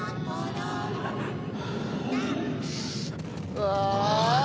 うわ。